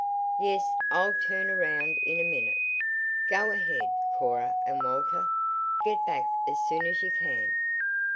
"Yes, I'll turn around in a minute. Go ahead, Cora and Walter. Get back as soon as you can."